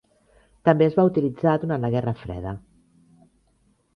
També es va utilitzar durant la Guerra Freda.